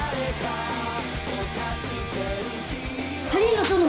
狩野どの！